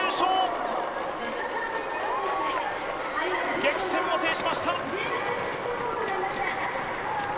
激戦を制しました。